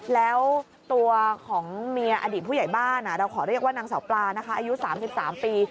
แล้วตัวของเมียอดีตผู้ใหญ่บ้านเราขอเรียกว่านางเสาปลานะคะอายุ๓๓ปี